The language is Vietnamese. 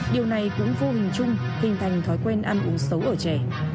điều này cũng vô hình chung hình thành thói quen ăn uống xấu ở trẻ